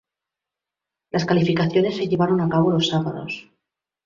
Las calificaciones se llevaron a cabo los sábados.